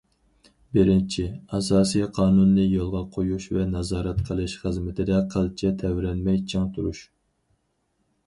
بىرىنچى، ئاساسىي قانۇننى يولغا قويۇش ۋە نازارەت قىلىش خىزمىتىدە قىلچە تەۋرەنمەي چىڭ تۇرۇش.